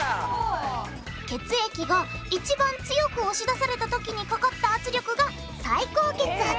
血液が一番強く押し出されたときにかかった圧力が最高血圧。